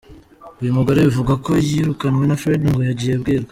Uyu mugore bivugwa ko yirukanwe na Fred ngo yagiye abwira.